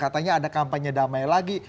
katanya ada kampanye damai lagi